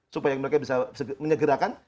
supaya mereka bisa menyegerakan